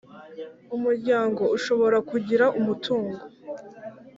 Umuryango ushobora kugira umutungo